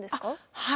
はい。